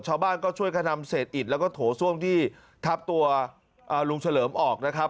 ชาวบ้านก็ช่วยกระนำเศษอิดแล้วก็โถส้วมที่ทับตัวลุงเฉลิมออกนะครับ